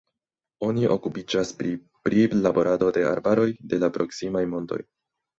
Oni okupiĝas pri prilaborado de arbaroj de la proksimaj montoj.